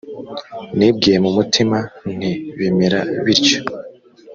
nibwiye mu mutima nti bimera bityo